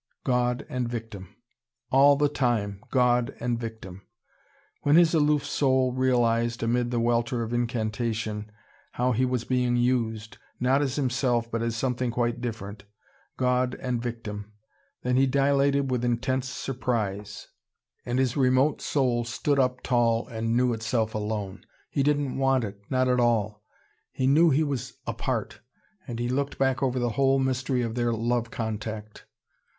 God and victim! All the time, God and victim. When his aloof soul realised, amid the welter of incantation, how he was being used, not as himself but as something quite different God and victim then he dilated with intense surprise, and his remote soul stood up tall and knew itself alone. He didn't want it, not at all. He knew he was apart. And he looked back over the whole mystery of their love contact.